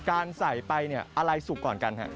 การใส่ไปอะไรสุกก่อนกันค่ะ